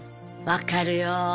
分かるよ。